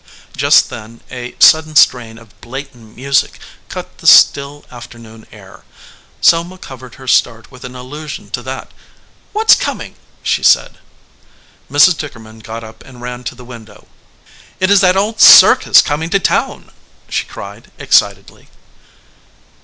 Just then a sudden strain of blatant music cut the still afternoon air. Selma covered her start 154 THE LIAR with an allusion to that. "What s coming?" she said. Mrs. Dickerman got up and ran to the window. "It is that old circus coming to town!" she cried, excitedly.